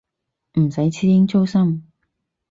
唔使師兄操心